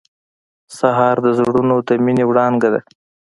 سهار د زړونو د مینې وړانګه ده.